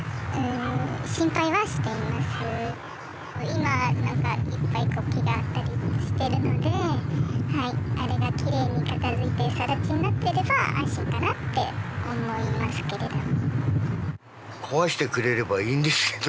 今いっぱい木があったりしてるのであれがキレイに片付いて更地になっていれば安心かなって思いますけれども。